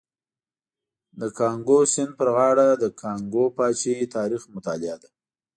د کانګو سیند پر غاړه د کانګو پاچاهۍ تاریخ مطالعه ده.